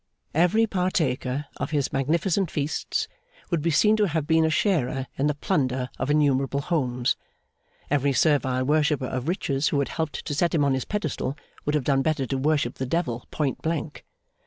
Every partaker of his magnificent feasts would be seen to have been a sharer in the plunder of innumerable homes; every servile worshipper of riches who had helped to set him on his pedestal, would have done better to worship the Devil point blank.